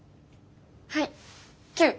はいキュー！